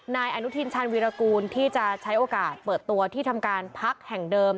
นายอนุทินชาญวีรกูลที่จะใช้โอกาสเปิดตัวที่ทำการพักแห่งเดิม